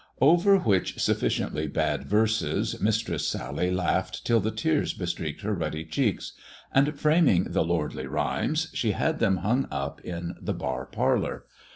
Over which sufficiently bad verses Mistress Sally laughed till the tears bestreaked her ruddy cheeks ; and framing the " lordly rhymes," she had them hung up in the bar parlour.